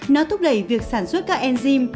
nó thúc đẩy việc sản xuất các enzim